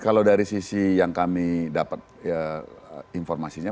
kalau dari sisi yang kami dapat informasinya